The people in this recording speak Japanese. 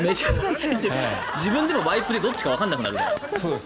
自分でもワイプでどっちかわからなくなるぐらい。